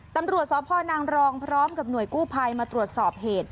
ตำรวจสพนางรองพร้อมกับหน่วยกู้ภัยมาตรวจสอบเหตุ